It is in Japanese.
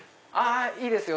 いいですよ